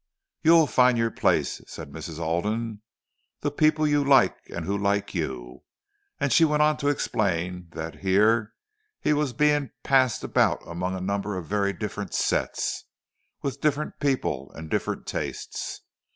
"You'll find your place," said Mrs. Alden—"the people you like and who like you." And she went on to explain that here he was being passed about among a number of very different "sets," with different people and different tastes.